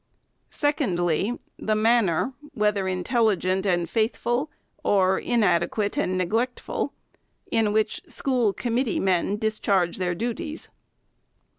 Secondly, the manner, whether intelligent and faithful, or inadequate and neglectful, in which school committee men discharge their duties.